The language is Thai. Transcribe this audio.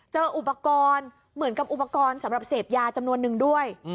อุปกรณ์เหมือนกับอุปกรณ์สำหรับเสพยาจำนวนนึงด้วย